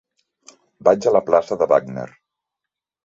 Vaig a la plaça de Wagner.